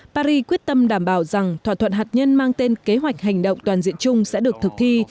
paris quyết tâm đảm bảo rằng thỏa thuận hạt nhân mang tên kế hoạch hành động toàn diện chung sẽ được thực thi